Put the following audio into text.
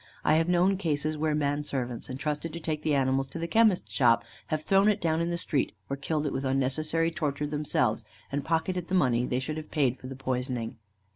I have known cases where men servants entrusted to take the animal to the chemist's shop, have thrown it down in the street, or killed it with unnecessary torture themselves, and pocketed the money they should have paid for the poisoning.